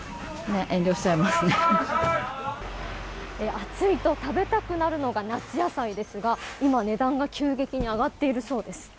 暑いと食べたくなるのが夏野菜ですが今、値段が急激に上がっているそうです。